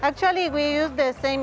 kami menggunakan bahan yang sama